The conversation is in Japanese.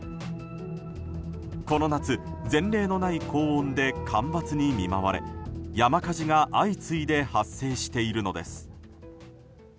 この夏、前例のない高温で干ばつに見舞われ山火事が相次いで発生しているのです。